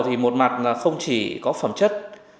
thì một mặt không chỉ có phẩm chất